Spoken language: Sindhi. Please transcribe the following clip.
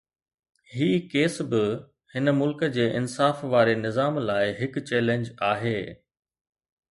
هي ڪيس به هن ملڪ جي انصاف واري نظام لاءِ هڪ چئلينج آهي.